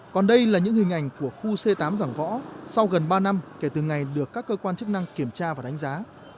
còn đây là những hình ảnh của khu c tám giảng võ sau gần ba năm kể từ ngày được các cơ quan chức năng kiểm tra và đánh giá